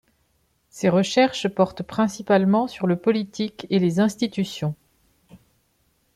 Ses recherches portent principalement sur le politique et les institutions.